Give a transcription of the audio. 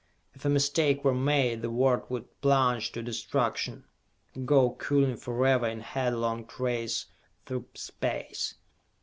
If a mistake were made, the world would plunge to destruction or go cooling forever in a headlong race through space.